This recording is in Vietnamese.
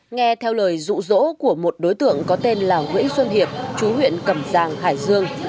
nghe theo lời rụ rỗ của một đối tượng có tên là nguyễn xuân hiệp chú huyện cẩm giang hải dương